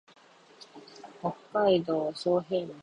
北海道小平町